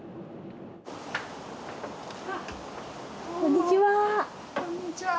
あこんにちは。